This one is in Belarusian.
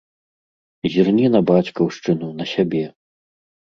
Зірні на бацькаўшчыну, на сябе!